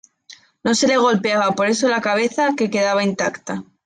No se le golpeaba por eso la cabeza, que quedaba intacta.